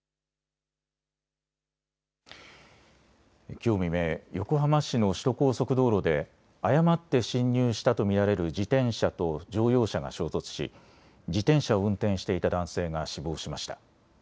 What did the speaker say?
きょう未明、横浜市の首都高速道路で誤って進入したと見られる自転車と乗用車が衝突し自転車を運転していた男性が死亡しました。